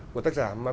của tác giả